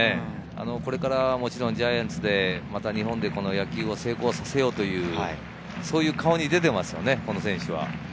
これからジャイアンツで日本で野球を成功させようという、そういうのが顔に出ていますよね。